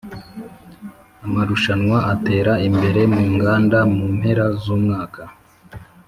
amarushanwa atera imbere mu nganda mu mpera zu mwaka